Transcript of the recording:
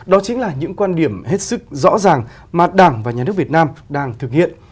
đó chính là những quan điểm hết sức rõ ràng mà đảng và nhà nước việt nam đang thực hiện